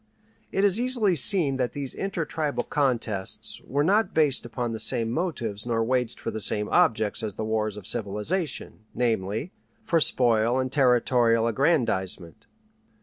It is easily seen that these intertribal contests were not based upon the same motives nor waged for the same objects as the wars of civilization namely, for spoil and territorial aggrandizement.